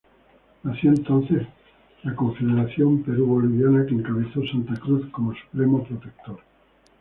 Nació entonces la Confederación Perú-Boliviana que encabezó Santa Cruz como Supremo Protector.